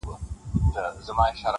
د جنګ خبري خوږې وي خو ساعت یې تریخ وي -